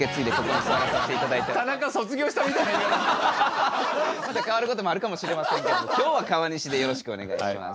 またかわることもあるかもしれませんけども今日は川西でよろしくお願いします。